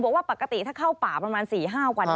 บอกว่าปกติถ้าเข้าป่าประมาณ๔๕วัน